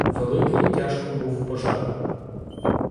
Великий тяжко був пожар.